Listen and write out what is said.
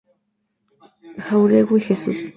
Jáuregui, Jesús.